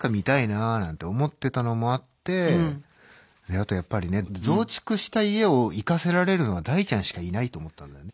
あとやっぱりね増築した家を生かせられるのは大ちゃんしかいないと思ったのよね。